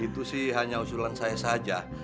itu sih hanya usulan saya saja